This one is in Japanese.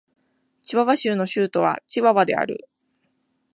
チワワ州の州都はチワワである